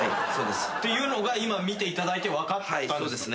っていうのが今診ていただいて分かったんですか？